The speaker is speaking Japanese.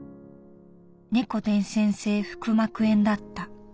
猫伝染性腹膜炎だった。